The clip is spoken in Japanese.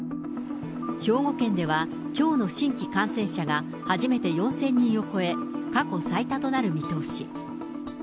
兵庫県では、きょうの新規感染者が初めて４０００人を超え、過去最多となる見通し。